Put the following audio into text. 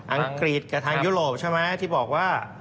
อังกฤษกับทางยุโรปใช่ไหมที่บอกว่า